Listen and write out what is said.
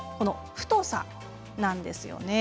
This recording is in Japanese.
太さなんですよね。